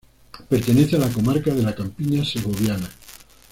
Pertenece a la comarca de la Campiña Segoviana.